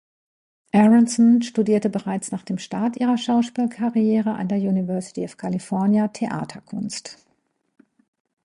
Aronson studierte bereits nach dem Start ihrer Schauspielkarriere an der University of California Theaterkunst.